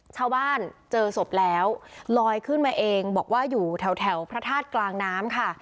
ชาวบ้านเจอศพแล้วลอยขึ้นมาเองบอกว่าอยู่แถวพระธาตุกลางน้ำค่ะ